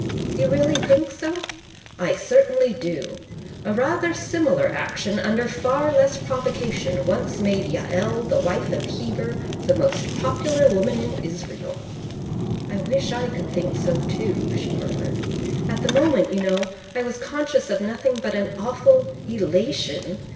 "You really think so?" "I certainly do. A rather similar action, under far less provocation, once made Jael the wife of Heber the most popular woman in Israel." "I wish I could think so too," she murmured. "At the moment, you know, I was conscious of nothing but an awful elation.